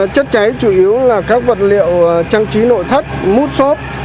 chất cháy chủ yếu là các vật liệu trang trí nội thất mút xốp